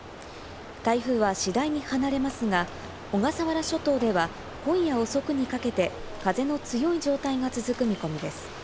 台風は次第に離れますが、小笠原諸島では今夜遅くにかけて風の強い状態が続く見込みです。